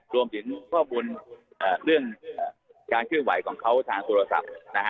รวมถึงข้อมูลเรื่องการเคลื่อนไหวของเขาทางโทรศัพท์นะฮะ